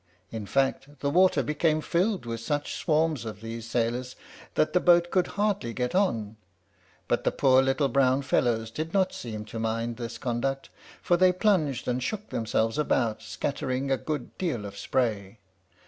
In fact, the water became filled with such swarms of these sailors that the boat could hardly get on. But the poor little brown fellows did not seem to mind this conduct, for they plunged and shook themselves about, scattering a good deal of spray.